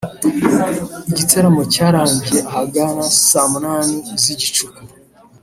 Igitaramo cyarangiye ahagana saa munani z’igicuku